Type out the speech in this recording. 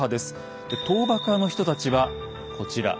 倒幕派の人たちはこちら。